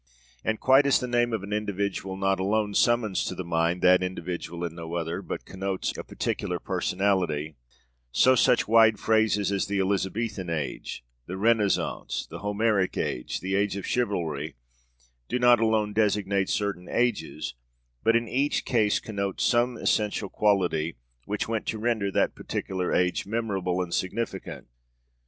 And, quite as the name of an individual not alone summons to the mind that individual and no other, but connotes a particular personality, so such wide phrases as 'The Elizabethan Age,' 'The Renaissance,' 'The Homeric Age,' the 'Age of Chivalry' do not alone designate certain ages, but in each case connote some essential quality which went to render that particular age memorable and significant.